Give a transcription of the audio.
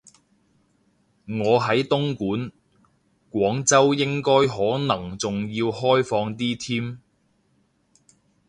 我喺東莞，廣州應該可能仲要開放啲添